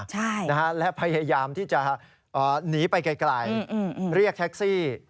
ใช่นะฮะและพยายามที่จะหนีไปไกลเรียกแท็กซี่